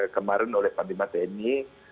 kemarin oleh pak bimba tni